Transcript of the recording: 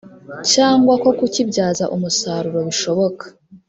cyangwa ko kukibyaza umusaruro bishoboka